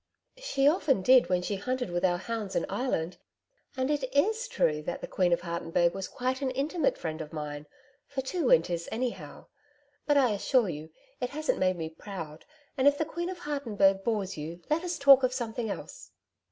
'She often did when she hunted with our hounds in Ireland, and it IS true that the Queen of Hartenburg was quite an intimate friend of mine for two winters, anyhow. But I assure you, it hasn't made me proud, and if the Queen of Hartenburg bores you, let us talk of something else.'